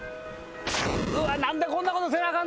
何でこんなことせなあかんねん